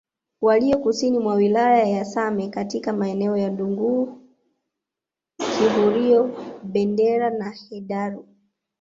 walio kusini mwa wilaya ya Same katika maeneo ya Ndungu Kihurio Bendera na Hedaru